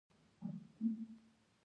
زراعت د افغانستان د ملي اقتصاد برخه ده.